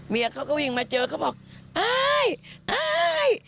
เมียเขาก็วิ่งมาเจอเขาบอกอ้ายอาย